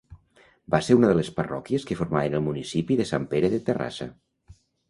Va ser una de les parròquies que formaven el municipi de Sant Pere de Terrassa.